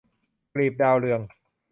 กลีบดาวเรือง